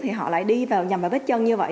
thì họ lại đi vào nhằm vào bếp chân như vậy